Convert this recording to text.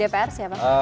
di dpr siapa